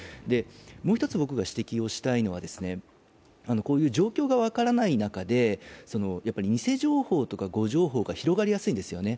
もう一つ僕が指摘したいのはこういう状況が分からない中で偽情報とか誤情報が出回りやすいんですよね。